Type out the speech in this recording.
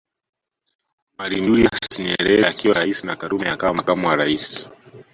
Mwalimu Julius Nyerere akiwa rais na Karume akawa makamu wa rais